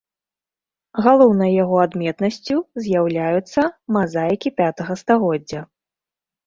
Галоўнай яго адметнасцю з'яўляюцца мазаікі пятага стагоддзя.